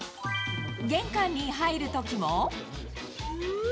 玄関に入るときも。